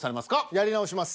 やり直します。